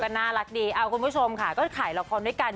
น่ารักดีคุณผู้ชมค่ะก็ถ่ายละครด้วยกัน